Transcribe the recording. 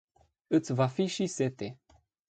Iti va fi si sete.